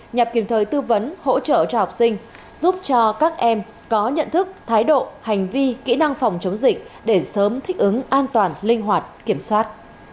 nhằm kịp thời tư vấn hỗ trợ cho học sinh giúp cho các em có nhận thức thái độ hành vi kỹ năng phòng chống dịch để sớm thích ứng an toàn linh hoạt kiểm soát